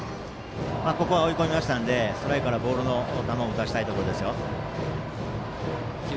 ここは追い込んでいきましたのでストライクからボールの球を打たせたいところです。